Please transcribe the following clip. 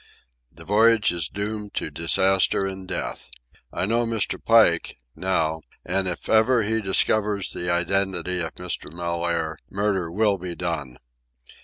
The voyage is doomed to disaster and death. I know Mr. Pike, now, and if ever he discovers the identity of Mr. Mellaire, murder will be done.